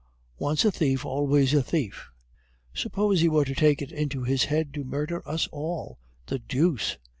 Once a thief, always a thief. Suppose he were to take it into his head to murder us all? The deuce!